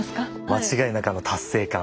間違いなくあの達成感。